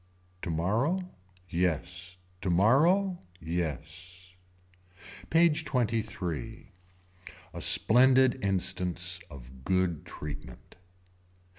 Tomorrow. Yes. Tomorrow. Yes. PAGE XXIII. A splendid instance of good treatment.